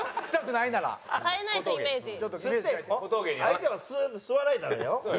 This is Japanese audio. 相手は「スーッ」て吸わないとダメだよ。